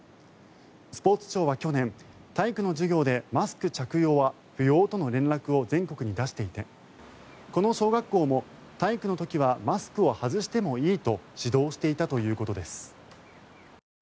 スポーツ庁は、去年体育の授業でマスク着用は不要との連絡を全国に出していてこの小学校も、体育の時はマスクを外してもいいと指導していたということです。